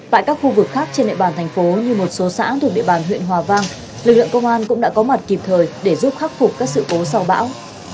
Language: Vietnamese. tại các khu vực khác trên địa bàn thành phố như một số xã thuộc địa bàn huyện hòa vang lực lượng công an cũng đã có mặt kịp thời để giúp khắc phục các sự cố sau bão